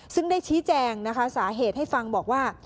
ซึ่งได้ชี้แจงนะคะสาเหตุให้ฟังบอกว่า